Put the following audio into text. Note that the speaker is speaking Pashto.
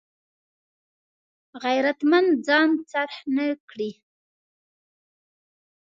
غیرتمند ځان خرڅ نه کړي